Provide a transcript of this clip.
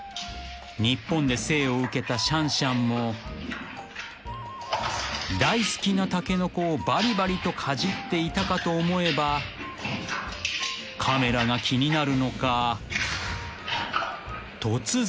［日本で生を受けたシャンシャンも大好きなタケノコをバリバリとかじっていたかと思えばカメラが気になるのか突然］